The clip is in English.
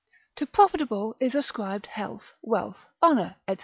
To profitable is ascribed health, wealth, honour, &c.